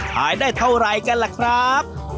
ขายได้เท่าไรกันแหละครับ